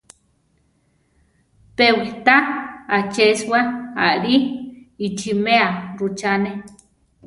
Pe witá achésiwa aʼli ichiméa rúchane.